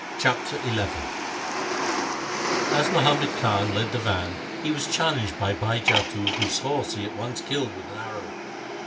Chapter XI As Muhammad Khan led the van, he was chal lenged by Bhai Jattu whose horse he at once killed with an arrow.